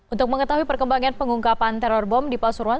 untuk mengetahui perkembangan pengungkapan teror bom di pasuruan